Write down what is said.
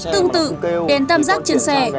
tương tự đèn tam giác trên xe